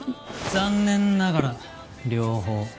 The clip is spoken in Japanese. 残念ながら両方。